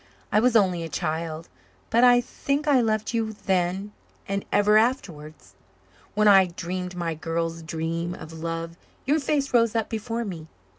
"I was only a child, but I think I loved you then and ever afterwards. When I dreamed my girl's dream of love your face rose up before me.